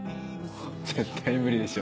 絶対無理でしょ。